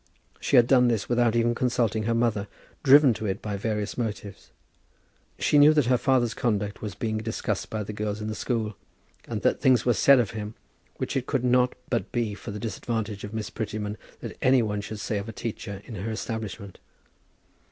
She had done this without even consulting her mother, driven to it by various motives. She knew that her father's conduct was being discussed by the girls in the school, and that things were said of him which it could not but be for the disadvantage of Miss Prettyman that any one should say of a teacher in her establishment.